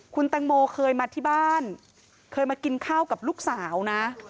คุณแตงโมเคยมาที่บ้านเคยมากินข้าวกับลูกสาวนะ